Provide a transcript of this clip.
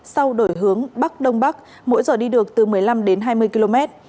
sau đổi hướng bắc đông bắc mỗi giờ đi được từ một mươi năm đến hai mươi km